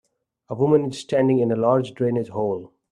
A woman is standing in a large drainage hole.